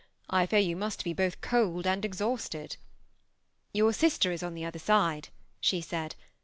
I fear you must be both cold and exhausted." " Your sister is on the other side," she said.